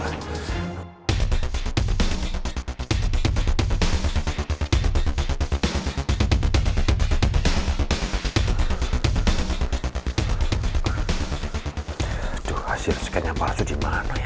aduh hasil scan yang palsu dimana ya